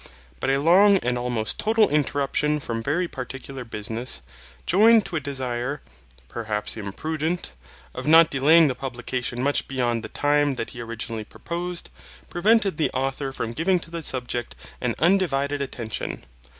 But a long and almost total interruption from very particular business, joined to a desire (perhaps imprudent) of not delaying the publication much beyond the time that he originally proposed, prevented the Author from giving to the subject an undivided attention.